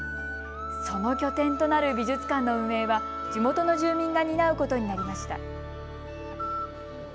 その拠点となる美術館の運営は地元の住民が担うことになりました。